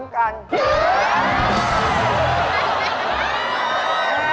แค่นี้เหรอ